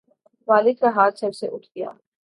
والد کا ہاتھ سر سے اٹھ گیا